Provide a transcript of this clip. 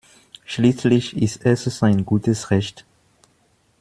Schließlich ist es sein gutes Recht.